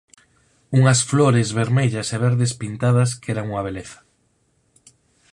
unhas flores vermellas e verdes pintadas que eran unha beleza